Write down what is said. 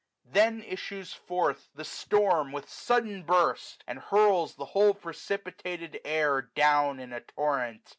Then issues forth the storm with sudden burst, And hurls the whole precipitated jur, Down, in a torrent.